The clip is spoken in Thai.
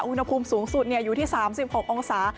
อุณหภูมิสูงสุดอยู่ที่๓๖องศา